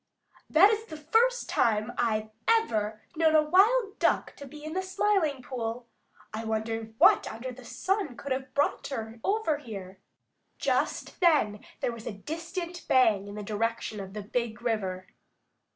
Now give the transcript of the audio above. "That is the first time I've ever known a wild Duck to be in the Smiling Pool. I wonder what under the sun could have brought her over here." Just then there was a distant bang in the direction of the Big River.